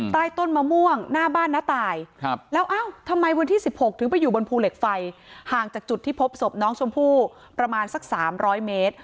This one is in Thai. ใต้ต้นมะม่วงหน้าบ้านน้าตายแล้วเอ้าทำไมวันที่๑๖ถึงไปอยู่บนภูเหล็กไฟห่างจากจุดที่พบศพน้องชมพู่ประมาณสัก๓๐๐เมตร